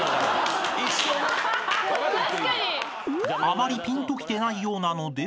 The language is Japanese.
［あまりぴんときてないようなので］